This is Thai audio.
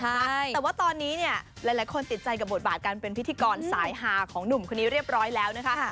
แต่ว่าตอนนี้เนี่ยหลายคนติดใจกับบทบาทการเป็นพิธีกรสายหาของหนุ่มคนนี้เรียบร้อยแล้วนะคะ